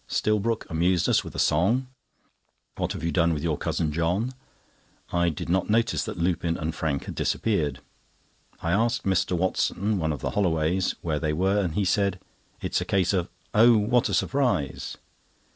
Stillbrook amused us with a song, "What have you done with your Cousin John?" I did not notice that Lupin and Frank had disappeared. I asked Mr. Watson, one of the Holloways, where they were, and he said: "It's a case of 'Oh, what a surprise!